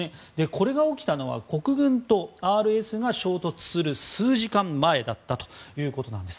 これが起きたのが国軍とＲＳＦが衝突する数時間前だったということです。